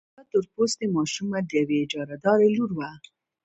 دا تور پوستې ماشومه د يوې اجارهدارې لور وه.